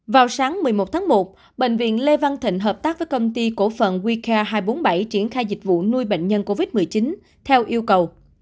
vào sáng một mươi một tháng một bệnh viện lê văn thịnh hợp tác với công ty cổ phần wica hai trăm bốn mươi bảy triển khai dịch vụ nuôi bệnh nhân covid một mươi chín theo yêu cầu